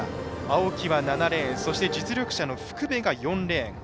青木は７レーン実力者の福部が４レーン。